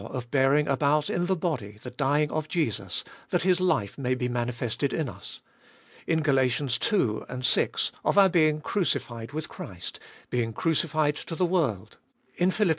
of bearing about in the body the dying of Jesus that His life may be manifested in us, in Gal. ii. and vi. of our being crucified with Christ, being crucified to the world, in Phil. iii.